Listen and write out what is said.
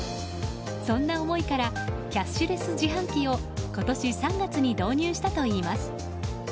そんな思いからキャッシュレス自販機を今年３月に導入したといいます。